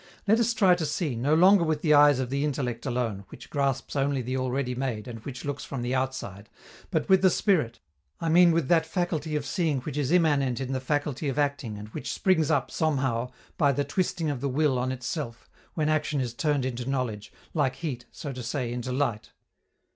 Let us try to see, no longer with the eyes of the intellect alone, which grasps only the already made and which looks from the outside, but with the spirit, I mean with that faculty of seeing which is immanent in the faculty of acting and which springs up, somehow, by the twisting of the will on itself, when action is turned into knowledge, like heat, so to say, into light.